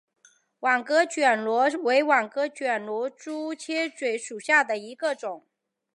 网格卷管螺为卷管螺科粗切嘴螺属下的一个种。